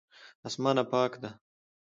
اسمان پاک ده